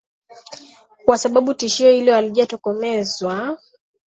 kwa sababu tishio hilo halijatokomezwa